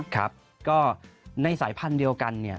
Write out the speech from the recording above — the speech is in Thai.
ครับก็ในสายพันธุ์เดียวกันเนี่ย